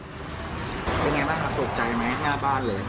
เป็นไงบ้างครับตกใจไหมหน้าบ้านเลย